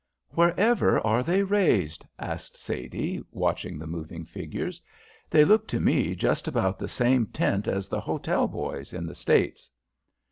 "Wherever are they raised?" asked Sadie, watching the moving figures. "They look to me just about the same tint as the hotel boys in the States."